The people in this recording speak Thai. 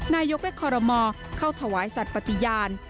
นายกและคอรมอเข้าถวายสัตว์ปฏิญาณ